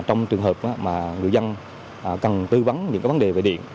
trong trường hợp mà người dân cần tư vấn những vấn đề về điện